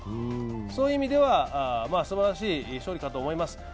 そういう意味では、すばらしい勝利かと思います。